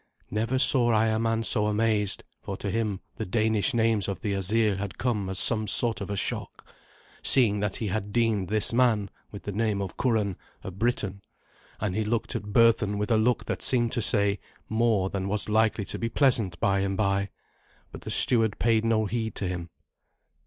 Never saw I a man so amazed, for to him the Danish names of the Asir had come as some sort of a shock, seeing that he had deemed this man, with the name of Curan, a Briton. And he looked at Berthun with a look that seemed to say more than was likely to be pleasant by and by. But the steward paid no heed to him.